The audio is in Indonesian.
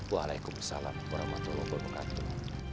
waalaikumsalam warahmatullahi wabarakatuh